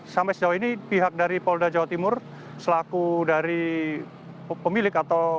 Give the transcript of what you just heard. sampai sejauh ini pihak dari polda jawa timur selaku dari pemilik atau